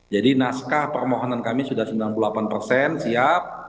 seratus jadi naskah permohonan kami sudah sembilan puluh delapan siap